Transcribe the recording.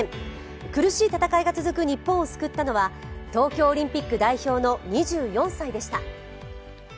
苦しい戦いが続く日本を救ったのは東京オリンピック代表の２４歳でした。